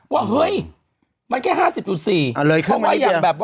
ว่าเฮ้ยมันแค่๕๐๔